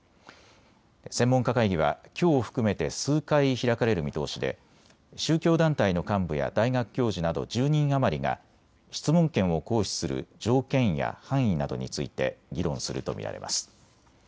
専門家会議はきょうを含めて数回開かれる見通しで宗教団体の幹部や大学教授など１０人余りが質問権を行使する条件や範囲などについて議論すると見られます。